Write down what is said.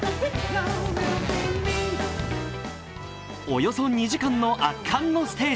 およそ２時間の圧巻のステージ。